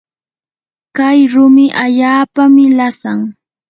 kay rumi allaapami lasan.